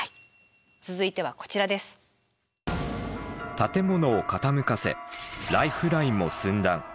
建物を傾かせライフラインも寸断。